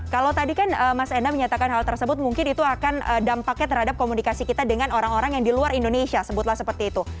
kalau tadi kan mas enda menyatakan hal tersebut mungkin itu akan dampaknya terhadap komunikasi kita dengan orang orang yang di luar indonesia sebutlah seperti itu